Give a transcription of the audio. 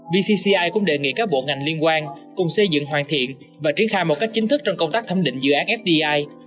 vcci cũng đề nghị các bộ ngành liên quan cùng xây dựng hoàn thiện và triển khai một cách chính thức trong công tác thẩm định dự án fdi